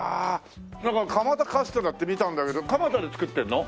なんか蒲田カステラって見たんだけど蒲田で作ってるの？